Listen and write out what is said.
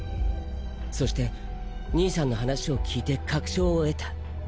そして兄さんの話を聞いて確証を得た。